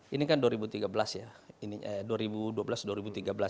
ini kan dua ribu tiga belas ya